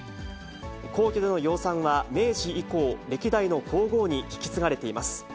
皇居での養蚕は明治以降、歴代の皇后に引き継がれています。